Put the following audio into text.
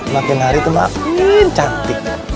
makin hari itu makin cantik